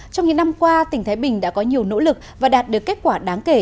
trong những năm qua tỉnh thái bình đã có nhiều nỗ lực và đạt được kết quả đáng kể